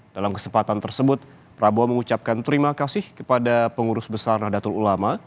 dalam kesempatan tersebut prabowo mengucapkan terima kasih kepada pengurus besar nahdlatul ulama